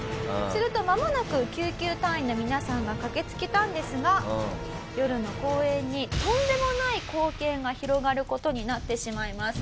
するとまもなく救急隊員の皆さんが駆け付けたんですが夜の公園にとんでもない光景が広がる事になってしまいます。